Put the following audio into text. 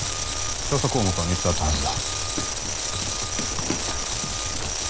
調査項目は３つあったはずだ。